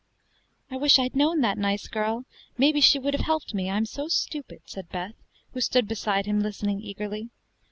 "I wish I'd known that nice girl; maybe she would have helped me, I'm so stupid," said Beth, who stood beside him listening eagerly.